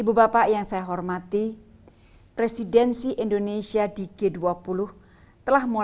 ibu bapak yang saya hormati presidensi indonesia di g dua puluh telah mulai berjalan sejak satu tahun dua ribu dua puluh